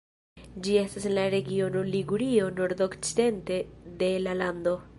Ĝi estas en la regiono Ligurio nordokcidente de la lando.